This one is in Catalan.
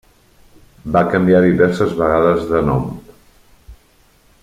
Va canviar diverses vegades de nom.